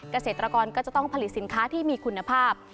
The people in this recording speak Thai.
เกษตรกรก็จะต้องผลิตสินค้าที่มีคุณภาพ